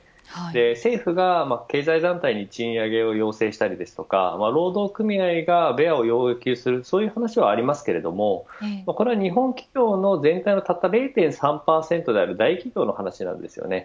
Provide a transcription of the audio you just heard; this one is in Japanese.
政府が経済団体に賃上げを要請したりですとか労働組合がベアを要求するような話はありますがこれは日本企業の全体でたった０．３％である大企業の話なんですよね。